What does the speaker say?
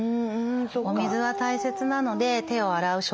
お水は大切なので手を洗う食器を洗う